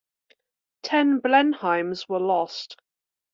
Ten Blenheims were lost.